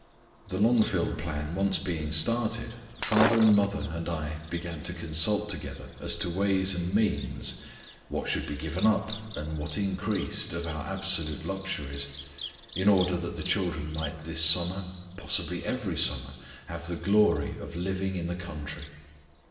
The Longfield plan being once started, father and mother and I began to consult together as to ways and means; what should be given up, and what increased, of our absolute luxuries, in order that the children might this summer possibly every summer have the glory of "living in the country."